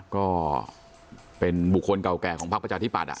ก็เป็นบุคคลเก่าแก่ของพักประชาธิปัตย์